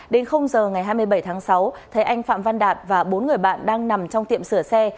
đến giờ ngày hai mươi bảy tháng sáu thấy anh phạm văn đạt và bốn người bạn đang nằm trong tiệm sửa xe